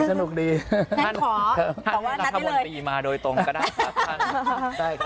ถ้าท่านมารัฐบนตรีมาโดยตรงก็ได้ครับ